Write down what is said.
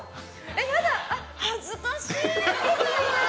やだ恥ずかしい。